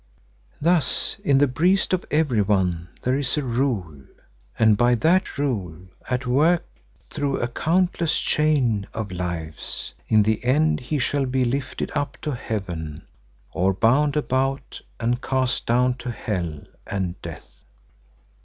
Thus in the breast of everyone there is a rule and by that rule, at work through a countless chain of lives, in the end he shall be lifted up to Heaven, or bound about and cast down to Hell and death."